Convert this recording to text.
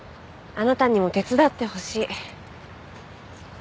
あなたにも手伝ってほしい。